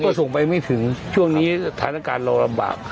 ก็ส่งไปไม่ถึงช่วงนี้สถานการณ์เราลำบาก